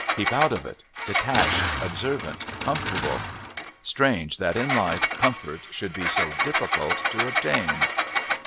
Keep out of it, detached, observant, comfortable. Strange that in life comfort should be so difficult to attain!